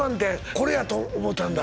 これやと思うたんだ